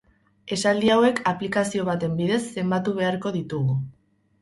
Esaldi hauek aplikazio baten bidez zenbatu beharko ditugu.